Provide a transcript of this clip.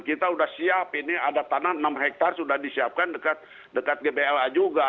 kita sudah siap ini ada tanah enam hektare sudah disiapkan dekat gbla juga